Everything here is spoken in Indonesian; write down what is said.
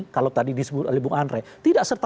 kalau tadi disebut oleh bung andre tidak serta